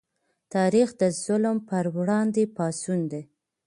تاریخ د ظلم پر وړاندې پاڅون دی.